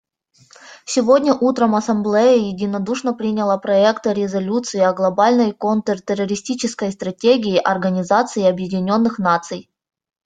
Сегодня утром Ассамблея единодушно приняла проект резолюции о Глобальной контртеррористической стратегии Организации Объединенных Наций.